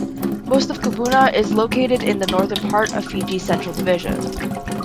Most of Kubuna is located in the northern part of Fiji's Central Division.